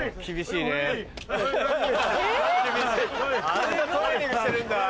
あんなトレーニングしてるんだ。